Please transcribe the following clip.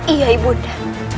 iya ibu nanda